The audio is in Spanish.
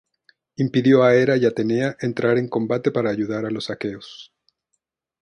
Impidió a Hera y Atenea entrar en combate para ayudar a los aqueos.